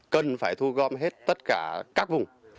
cần phải thu gom hết tất cả các vùng